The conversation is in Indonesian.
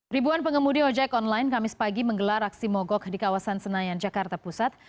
ribuan pengemudi ojek online kamis pagi menggelar aksi mogok di kawasan senayan jakarta pusat